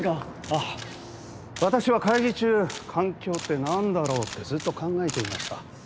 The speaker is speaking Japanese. ああ私は会議中環境ってなんだろう？ってずっと考えていました。